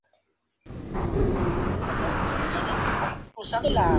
Su segunda temporada en España no sería de las mejores.